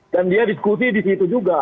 dan dia diskuti disitu juga